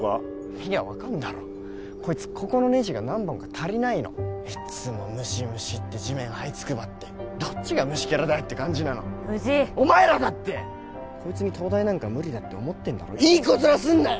見りゃ分かんだろこいつここのネジが何本か足りないのいっつも虫虫って地面はいつくばってどっちが虫けらだよって感じなの藤井お前らだってこいつに東大なんか無理だって思ってんだろいい子ヅラすんなよ！